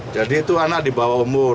jadi itu anak di bawah umur